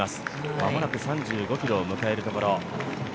間もなく３５ｋｍを迎えるところ。